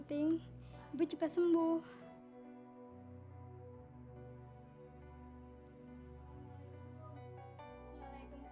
karena dia perlu penanganan khusus